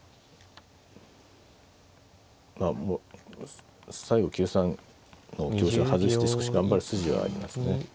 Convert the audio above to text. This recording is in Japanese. まあ最後９三の香車を外して少し頑張る筋はありますね。